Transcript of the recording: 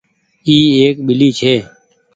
اي ايڪ ٻلي ڇي۔